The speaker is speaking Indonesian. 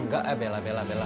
enggak eh bella bella bella